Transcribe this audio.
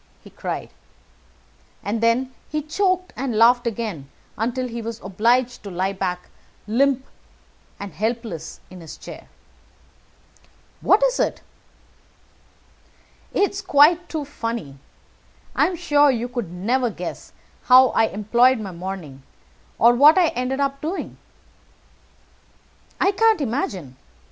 he cried, and then he choked, and laughed again until he was obliged to lie back, limp and helpless, in the chair. "What is it?" "It's quite too funny. I am sure you could never guess how I employed my morning, or what I ended by doing." "I can't imagine.